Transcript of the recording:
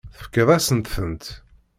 Tefkiḍ-asent-tent.